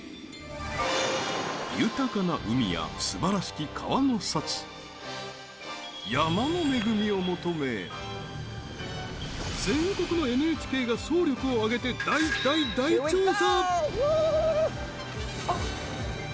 豊かな海や、すばらしき川の幸山の恵みを求め全国のＮＨＫが総力をあげて大、大、大調査！